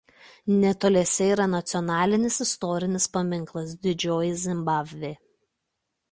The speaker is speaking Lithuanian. Netoliese yra nacionalinis istorinis paminklas Didžioji Zimbabvė.